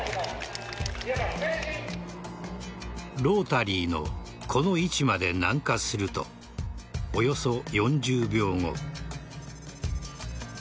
ロータリーのこの位置まで南下するとおよそ４０秒後。